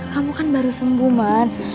kamu kan baru sembuh mbak